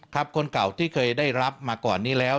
คนเก่าที่เคยได้รับมาก่อนนี้แล้ว